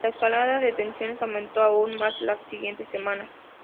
La escalada de tensiones aumentó aún más las siguientes semanas.